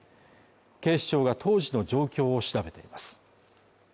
警視庁が当時の状況を調べています。